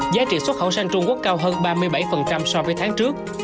giá trị xuất khẩu sang trung quốc cao hơn ba mươi bảy so với tháng trước